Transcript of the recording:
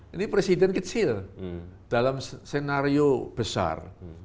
ini presiden kecil dalam senario besar